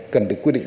cần được quyết định